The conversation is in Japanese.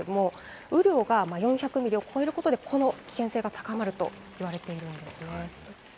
雨量が４００ミリを超えることで、この危険性が高まると言われています。